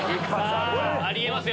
あり得ますよ！